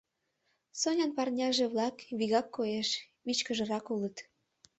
Сонян парняже-влак, вигак коеш, вичкыжрак улыт.